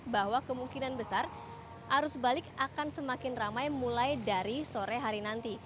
bahwa kemungkinan besar arus balik akan semakin ramai mulai dari sore hari nanti